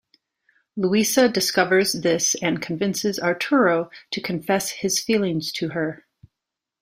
Luisa discovers this and convinces Arturo to confess his feelings to her.